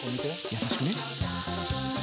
優しくね。